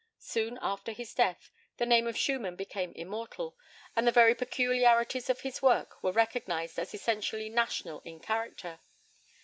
Soon after his death, the name of Schumann became immortal, and the very peculiarities of his work were recognized as essentially national in character.